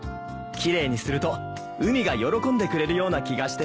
奇麗にすると海が喜んでくれるような気がしてね。